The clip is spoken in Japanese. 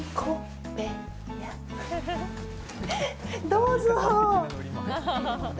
どうぞ！